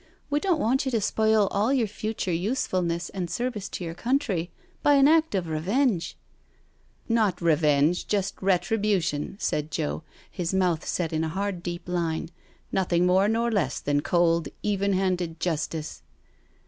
" We don't 1 you to spoil all your future usefulness and service ■ our country by an act of revenge '* Not revenge, just retribution," said Joe, his mouth in a hard, deep line, '^ nothing more nor less than .J, even handed justice."